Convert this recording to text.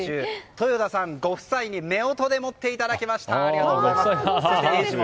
豊田さんご夫妻に夫婦で持っていただきました。